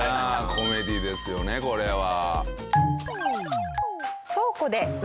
コメディですよねこれは。